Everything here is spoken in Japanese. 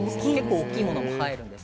大きいものも入るんです。